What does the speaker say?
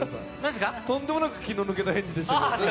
とんでもなく気の抜けた返事でしたけど。